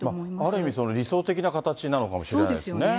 ある意味、理想的な形なのかもしれないですね。